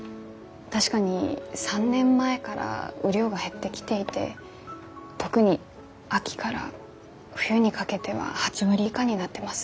確かに３年前から雨量が減ってきていて特に秋から冬にかけては８割以下になってます。